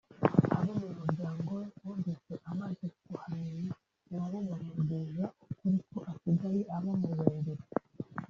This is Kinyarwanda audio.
Abo mu muryango we bumvise amaze kuhamenya na bo bamubwiza ukuri ko asigaye aba mu Ruhengeri